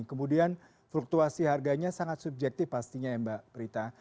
kemudian fluktuasi harganya sangat subjektif pastinya ya mbak prita